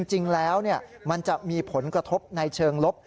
จริงแล้วมันจะมีผลกระทบในเชิงลบ